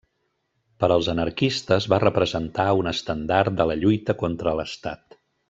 Per als anarquistes va representar un estendard de la lluita contra l'Estat.